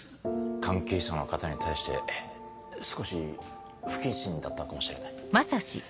関係者の方に対して少し不謹慎だったかもしれない。